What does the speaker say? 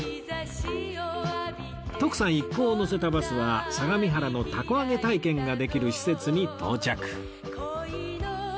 徳さん一行を乗せたバスは相模原の凧揚げ体験ができる施設に到着